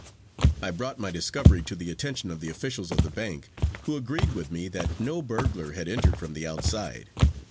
I brought my discovery to the attention of the officials of the bank, who agreed with me that no burglar had entered from the outside.